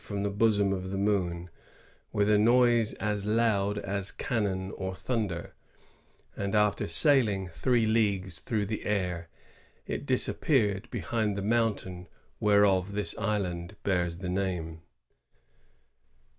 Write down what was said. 188 from the bosom of the moon, with a noise as loud as cannon or thunder; and after sailing three leagues through the air, it disappeared behind the mountain whereof tins island bears the name."